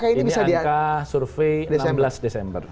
ini angka survei enam belas desember